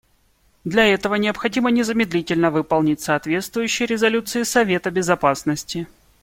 Для этого необходимо незамедлительно выполнить соответствующие резолюции Совета Безопасности.